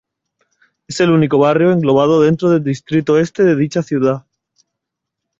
Es el único barrio englobado dentro del Distrito Este de dicha ciudad.